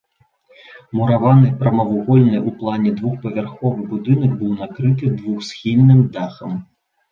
Мураваны прамавугольны ў плане двухпавярховы будынак быў накрыты двухсхільным дахам.